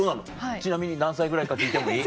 ちなみに何歳ぐらいか聞いてもいい？